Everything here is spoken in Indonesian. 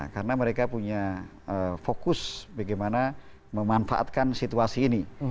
karena mereka punya fokus bagaimana memanfaatkan situasi ini